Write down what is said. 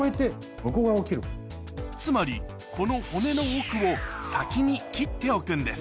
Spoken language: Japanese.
つまりこの骨の奥を先に切っておくんです